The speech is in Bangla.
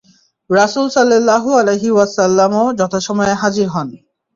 রাসূল সাল্লাল্লাহু আলাইহি ওয়াসাল্লাম ও যথাসময়ে হাজির হন।